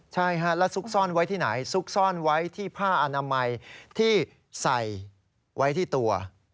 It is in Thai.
ใช่ฮะแล้วซุกซ่อนไว้ที่ไหนซุกซ่อนไว้ที่ผ้าอนามัยที่ใส่ไว้ที่ตัว